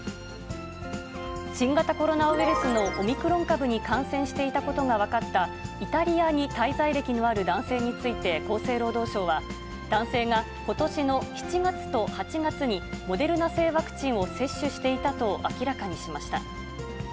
新型コロナウイルスのオミクロン株に感染していたことが分かったイタリアに滞在歴のある男性について、厚生労働省は、男性がことしの７月と８月に、モデルナ製ワクチンを接種していたと明らかにしました。